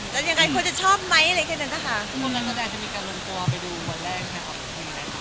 แล้วยังไงคะคนจะชอบไหมอะไรแค่นั้นคะ